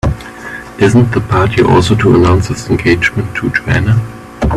Isn't the party also to announce his engagement to Joanna?